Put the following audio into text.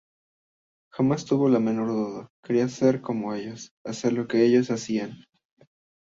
Jamás tuvo la menor duda: quería ser como ellos, hacer lo que ellos hacían.